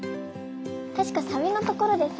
たしかサビのところでさ